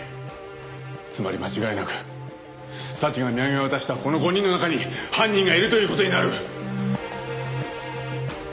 つまり間違いなく早智が土産を渡したこの５人の中に犯人がいるという事になる！